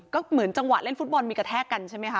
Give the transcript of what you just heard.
ก็เหมือนจังหวะเล่นฟุตบอลมีกระแทกกันใช่ไหมคะ